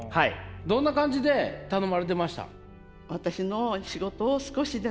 どんな感じで頼まれてました？